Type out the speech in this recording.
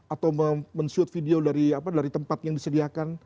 atau men shoot video dari tempat yang disediakan